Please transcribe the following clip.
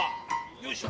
よいしょ！